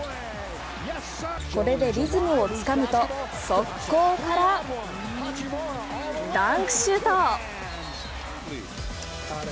これでリズムをつかむと速攻からダンクシュート。